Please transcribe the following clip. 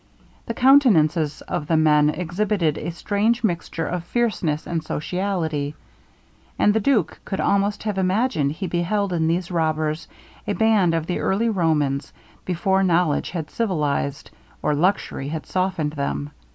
The countenances of the men exhibited a strange mixture of fierceness and sociality; and the duke could almost have imagined he beheld in these robbers a band of the early Romans before knowledge had civilized, or luxury had softened them.